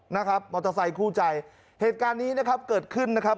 นะครับมอเตอร์ไซคู่ใจเหตุการณ์นี้นะครับเกิดขึ้นนะครับ